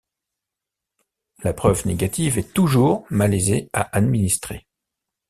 La preuve négative est toujours malaisée à administrer.